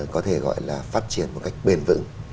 có thể gọi là phát triển một cách bền vững